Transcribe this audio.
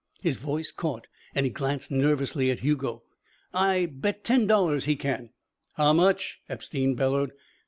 His voice caught and he glanced nervously at Hugo. "I bet ten dollars he can." "How much?" Epstein bellowed.